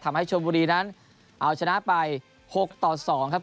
ทำให้ชนบุรีนั้นเอาชนะไป๖ต่อ๒ครับ